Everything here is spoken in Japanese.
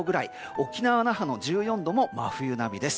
沖縄・那覇の１４度も真冬並みです。